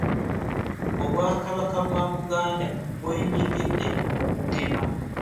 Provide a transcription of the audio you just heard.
Obwakabaka bwabuganda bwenyigide mu kugema.